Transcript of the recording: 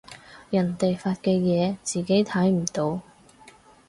人哋發嘅嘢自己睇唔到